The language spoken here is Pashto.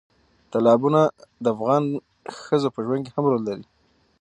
تالابونه د افغان ښځو په ژوند کې هم رول لري.